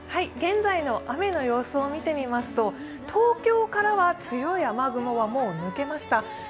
現在の雨の様子を見てみますと東京からは強い雨雲は、もう抜けました。